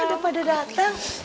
udah pada dateng